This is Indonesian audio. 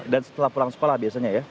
dan setelah pulang sekolah biasanya ya